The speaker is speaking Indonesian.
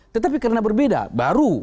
tetapi karena berbeda baru